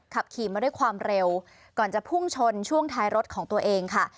ขับขี่มาด้วยความเร็วก่อนจะพุ่งชนช่วงท้ายรถของตัวเองค่ะ